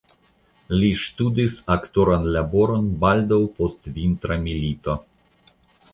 Li ŝtudis aktoran laboron baldaŭ post Vintra milito.